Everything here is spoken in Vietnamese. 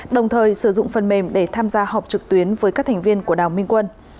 đồng thời sử dụng phần mềm để tham gia họp trực tuyến với các thành viên của đào minh quân